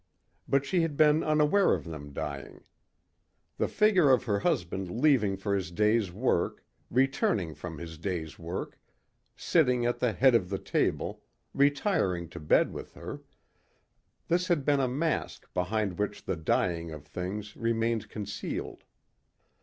But she had been unaware of their dying. The figure of her husband leaving for his day's work, returning from his day's work, sitting at the head of the table, retiring to bed with her this had been a mask behind which the dying of things remained concealed.